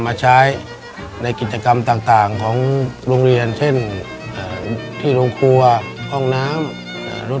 ในแคมเปญพิเศษเกมต่อชีวิตโรงเรียนของหนู